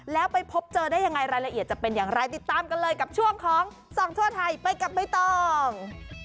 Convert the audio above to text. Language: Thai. แล้วไปพบเจอได้ยังไงรายละเอียดจะเป็นอย่างไรติดตามกันเลยกับช่วงของส่องทั่วไทยไปกับใบตอง